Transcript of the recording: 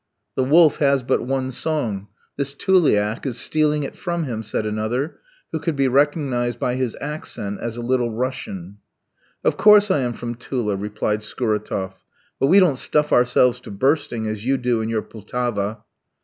"The wolf has but one song; this Tuliak [inhabitant of Tula] is stealing it from him," said another, who could be recognised by his accent as a Little Russian. "Of course I am from Tula," replied Scuratoff; "but we don't stuff ourselves to bursting as you do in your Pultava."